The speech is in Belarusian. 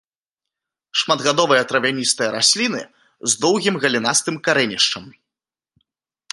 Шматгадовыя травяністыя расліны з доўгім галінастым карэнішчам.